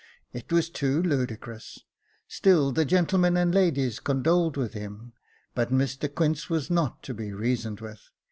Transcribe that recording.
It was too ludicrous. Still the gentlemen and ladies condoled with him, but Mr Quince was not to be reasoned with.